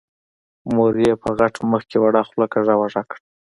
مور يې په غټ مخ کې وړه خوله کږه وږه کړه.